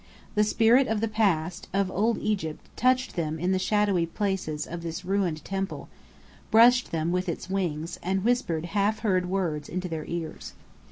The spirit of the past, of Old Egypt, touched them in the shadowy spaces of this ruined temple, brushed them with its wings, and whispered half heard words into their ears.